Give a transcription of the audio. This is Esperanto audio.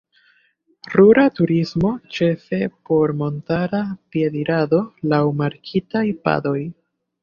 Rura turismo ĉefe por montara piedirado laŭ markitaj padoj.